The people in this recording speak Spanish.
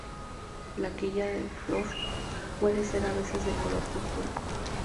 La quilla del flor puede ser a veces de color púrpura.